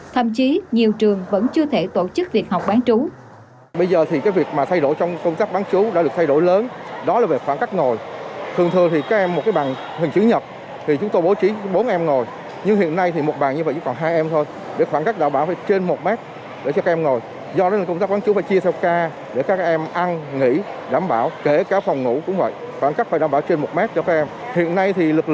thậm chí nhiều trường vẫn chưa thể tổ chức việc học bán trú